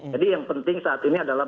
jadi yang penting saat ini adalah